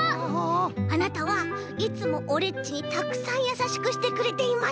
あなたはいつもオレっちにたくさんやさしくしてくれています。